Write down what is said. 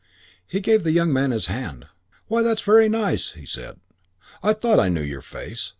He gave the young man his hand. "Why, that's very nice," he said. "I thought I knew your face.